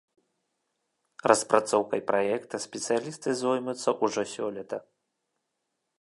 Распрацоўкай праекта спецыялісты зоймуцца ўжо сёлета.